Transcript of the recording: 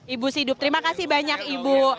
ibu sidup terima kasih banyak ibu